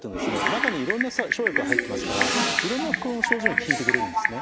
中にいろんな生薬が入ってますからいろんな心の症状に効いてくれるんですね。